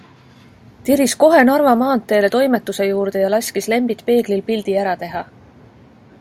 Tiris kohe Narva maanteele toimetuse juurde ja laskis Lembit Peeglil pildi ära teha.